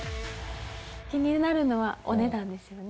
気になるのはお値段ですよね。